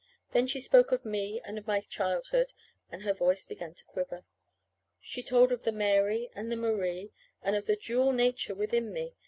Then she spoke of me, and of my childhood, and her voice began to quiver. She told of the Mary and the Marie, and of the dual nature within me.